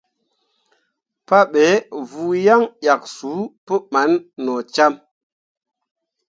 Pabe vuu yaŋ ʼyak suu pǝɓan nocam.